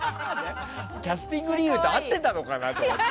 キャスティング理由と合っているのかなと思って。